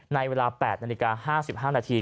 ในเวลา๘นาฬิกา๕๕นาที